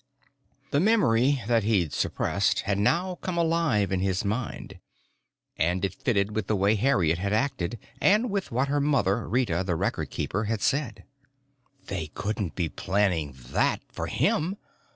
The memory that he'd suppressed had now come alive in his mind. And it fitted with the way Harriet had acted and with what her mother, Rita the Record Keeper, had said. They couldn't be planning that for him!